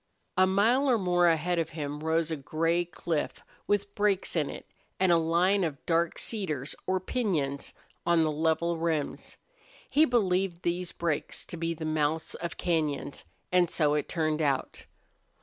A mile or more ahead of him rose a gray cliff with breaks in it and a line of dark cedars or piñons on the level rims. He believed these breaks to be the mouths of cañons, and so it turned out.